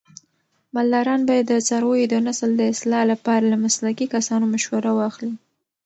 مالداران باید د څارویو د نسل د اصلاح لپاره له مسلکي کسانو مشوره واخلي.